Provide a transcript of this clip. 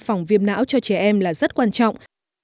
phòng viêm não cho trẻ em là rất quan trọng